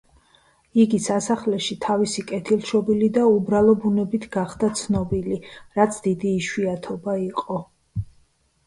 იგი სასახლეში თავისი კეთილშობილი და უბრალო ბუნებით გახდა ცნობილი, რაც დიდი იშვიათობა იყო.